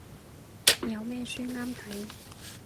有咩書啱睇